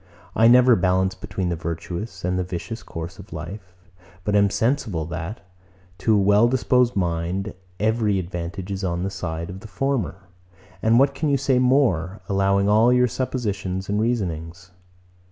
I never balance between the virtuous and the vicious course of life; but am sensible, that, to a well disposed mind, every advantage is on the side of the former. And what can you say more, allowing all your suppositions and reasonings?